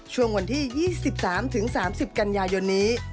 ช่วงวันที่๒๓๓๐กันยายนนี้